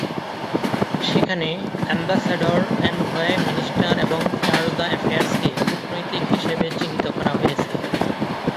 সেখানে ambassador, envoy, minister এবং charge দ’অ্যাফেয়ার্সকে কূটনৈতিক হিসেবে চিহ্নিত করা হয়েছে।